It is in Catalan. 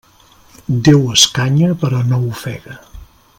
Déu escanya però no ofega.